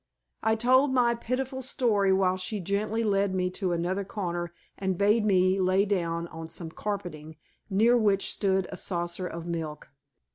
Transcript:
I told my pitiful story while she gently led me to another corner and bade me lie down on some carpeting, near which stood a saucer of milk.